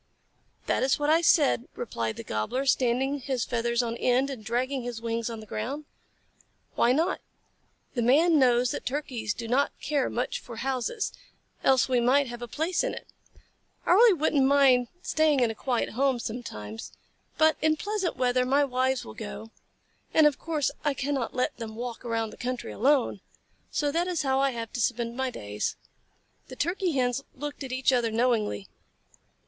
"That is what I said," replied the Gobbler, standing his feathers on end and dragging his wings on the ground. "Why not? The Man knows that Turkeys do not care much for houses, else we might have a place in it. I really wouldn't mind staying in a quiet home sometimes, but in pleasant weather my wives will go, and of course I cannot let them walk around the country alone, so that is how I have to spend my days." The Turkey Hens looked at each other knowingly.